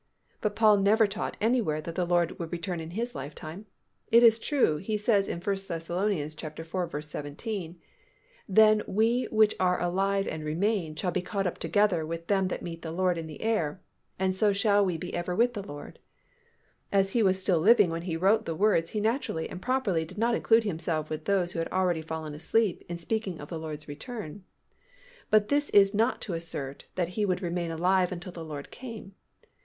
But Paul never taught anywhere that the Lord would return in his lifetime. It is true he says in 1 Thess. iv. 17, "Then we which are alive and remain, shall be caught up together with them to meet the Lord in the air, and so shall we ever be with the Lord." As he was still living when he wrote the words, he naturally and properly did not include himself with those who had already fallen asleep in speaking of the Lord's return. But this is not to assert that he would remain alive until the Lord came.